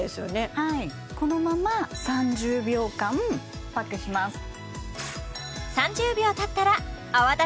はいこのまま３０秒間パックしますは！